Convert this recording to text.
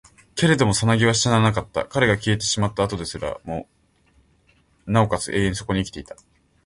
けれども蛸は死ななかった。彼が消えてしまった後ですらも、尚且つ永遠にそこに生きていた。